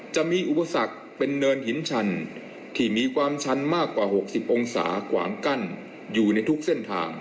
จะมีอุปสรรคเป็นเนินหินชันที่มีความชันมากกว่า๖๐องศาขวางกั้นอยู่ในทุกเส้นทาง